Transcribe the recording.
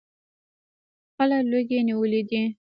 خلک لوږې نیولي دي.